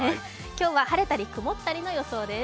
今日は晴れたり曇ったりの予想です。